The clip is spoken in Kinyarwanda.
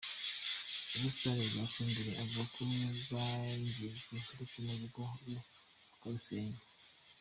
Ubusitani bwa Senderi avuga ko bwangijwe ndetse n'urugo rwe bakarusenya.